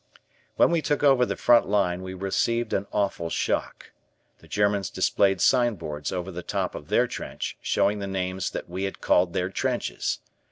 When we took over the front line we received an awful shock. The Germans displayed signboards over the top of their trench showing the names that we had called their trenches.